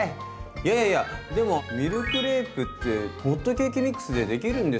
やややでもミルクレープってホットケーキミックスでできるんですか？